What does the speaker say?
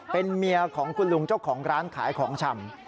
เป็นเมียของคุณลุงเจ้าของร้านขายของชำ